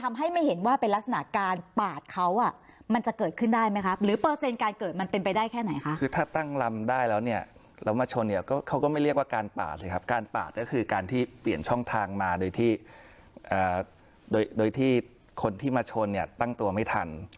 ทำให้ไม่เห็นว่าเป็นลักษณะการปาดเขาอ่ะมันจะเกิดขึ้นได้ไหมครับหรือเปอร์เซ็นต์การเกิดมันเป็นไปได้แค่ไหนคะคือถ้าตั้งลำได้แล้วเนี่ยแล้วมาชนเนี่ยก็เขาก็ไม่เรียกว่าการปาดสิครับการปาดก็คือการที่เปลี่ยนช่องทางมาโดยที่โดยที่คนที่มาชนเนี่ยตั้งตัวไม่ทัน